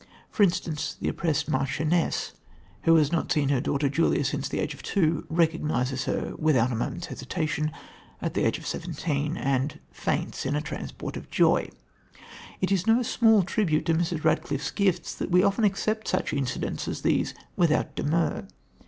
For instance, the oppressed marchioness, who has not seen her daughter Julia since the age of two, recognises her without a moment's hesitation at the age of seventeen, and faints in a transport of joy. It is no small tribute to Mrs. Radcliffe's gifts that we often accept such incidents as these without demur.